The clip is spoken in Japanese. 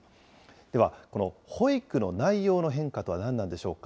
では、この保育の内容の変化とは何なんでしょうか。